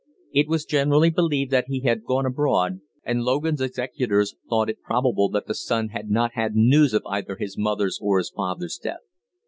It was generally believed that he had gone abroad, and Logan's executors thought it probable that the son had not had news of either his mother's or his father's death.